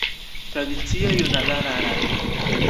Tradicia junulara aranĝo.